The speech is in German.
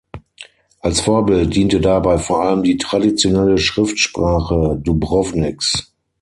Als Vorbild diente dabei vor allem die traditionelle Schriftsprache Dubrovniks.